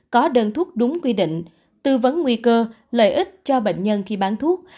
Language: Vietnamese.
có đơn thuốc đúng quy định tư vấn nguy cơ lợi ích cho bệnh nhân khi bán thuốc